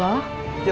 kita harus ketemu